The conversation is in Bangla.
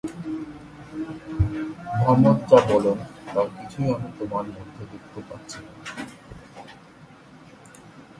মুহাম্মদ যা বলেন, তার কিছুই আমি তোমার মধ্যে দেখতে পাচ্ছি না।